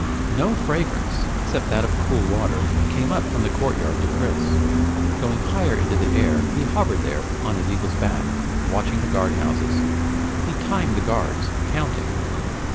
No fragrance, except that of cool water, came up from the courtyard to Chris. Going higher into the air he hovered there on his eagle's back, watching the guardhouses. He timed the guards, counting.